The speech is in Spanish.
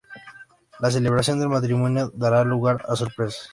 La celebración del matrimonio dará lugar a sorpresas.